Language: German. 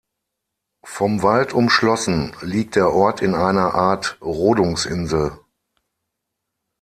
Vom Wald umschlossen, liegt der Ort in einer Art Rodungsinsel.